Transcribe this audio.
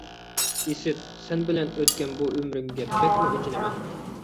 ئىسىت، سەن بىلەن ئۆتكەن بۇ ئۆمرۈمگە بەكمۇ ئېچىنىمەن...